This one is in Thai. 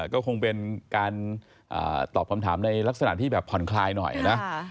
ก็คงเป็นการตอบคำถามในลักษณะที่แบบผ่อนคลายหน่อยนะ